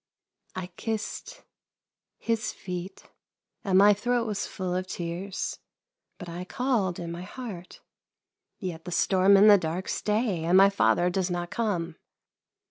I kissed — His feet, and my throat was full of THE SINGING OF THE BEES 331 tears, but I called in my heart. Yet the storm and the dark stay, and my father does not come."